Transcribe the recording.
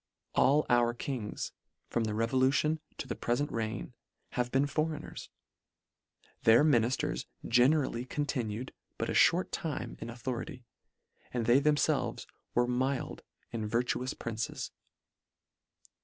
All our kings, from the revolution to the prefent reign have been foreigners. Their minifters generally continued but a fhort time in au thority ; k and they themfelves were mild and virtuous princes.